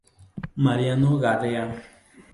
Mariano Gadea"".